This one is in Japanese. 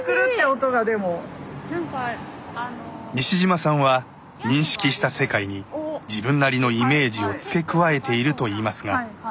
西島さんは認識した世界に自分なりのイメージを付け加えているといいますが。